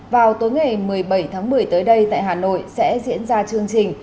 vào tối ngày một mươi bảy tháng một mươi tới đây tại hà nội sẽ diễn ra chương trình